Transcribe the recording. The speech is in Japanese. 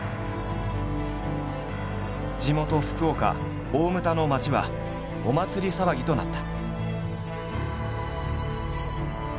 地元福岡・大牟田の町はお祭り騒ぎとなった。